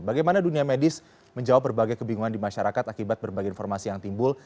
bagaimana dunia medis menjawab berbagai kebingungan di masyarakat akibat berbagai informasi yang timbul